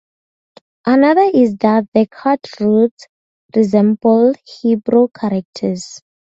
Another is that the cut roots resemble Hebrew characters.